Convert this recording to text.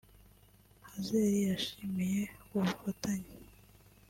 Hazel yashimiye ubufatanye